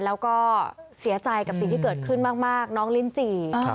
แล้วก็เสียใจกับสิ่งที่เกิดขึ้นมากน้องลิ้นจี่